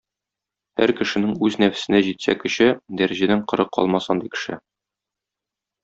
Һәр кешенең үз нәфесенә җитсә көче, дәрәҗәдән коры калмас андый кеше.